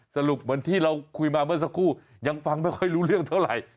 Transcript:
สรุปเหมือนที่เราคุยมาเมื่อสักครู่ยังฟังไม่ค่อยรู้เรื่องเท่าไหร่